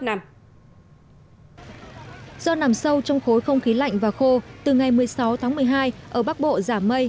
do nằm sâu trong khối không khí lạnh và khô từ ngày một mươi sáu tháng một mươi hai ở bắc bộ giảm mây